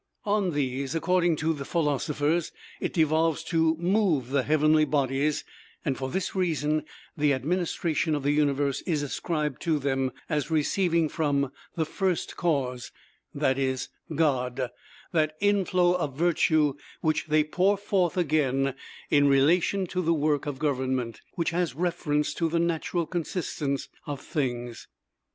On these, according to the philosophers, it devolves to move the heavenly bodies; and for this reason the administration of the universe is ascribed to them, as receiving from the First Cause that is, God that inflow of virtue which they pour forth again in relation to the work of government, which has reference to the natural consistence of things.